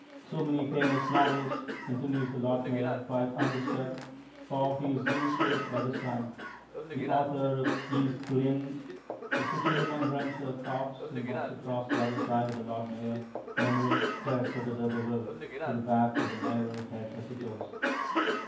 "So many famous novels," continues the Lord Mayor quite undisturbed, for he is used to it by this time. "The author of East Lynne " The City Remembrancer coughs and walks across to the other side of the Lord Mayor, murmuring Tess of the D'Urbervilles to the back of the Mayoral head as he goes.